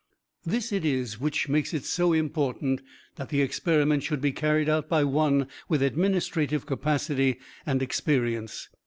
This it is which makes it so important that the experiment should be carried out by one with administrative capacity and experience."